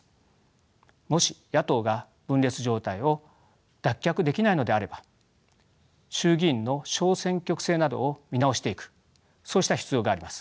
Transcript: もし野党が分裂状態を脱却できないのであれば衆議院の小選挙区制などを見直していくそうした必要があります。